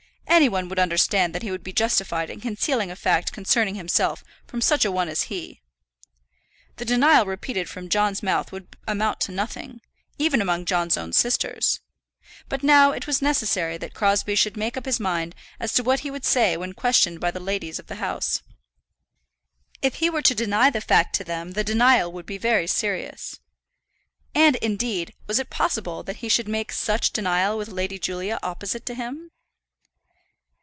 Any one would understand that he would be justified in concealing a fact concerning himself from such a one as he. The denial repeated from John's mouth would amount to nothing, even among John's own sisters. But now it was necessary that Crosbie should make up his mind as to what he would say when questioned by the ladies of the house. If he were to deny the fact to them the denial would be very serious. And, indeed, was it possible that he should make such denial with Lady Julia opposite to him?